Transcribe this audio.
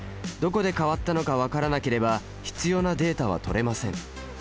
どこで変わったのか分からなければ必要なデータは取れません。